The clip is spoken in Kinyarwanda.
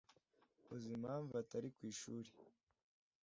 Uzi impamvu atari ku ishuri?